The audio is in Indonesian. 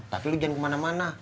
tapi lo jangan kemana mana